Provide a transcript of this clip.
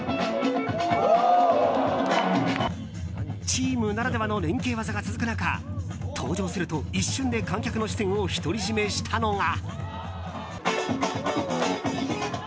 チームならではの連携技が続く中登場すると、一瞬で観客の視線を独り占めしたのが。